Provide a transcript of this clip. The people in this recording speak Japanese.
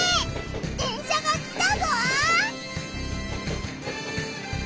電車が来たぞ！